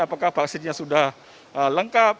apakah vaksinnya sudah lengkap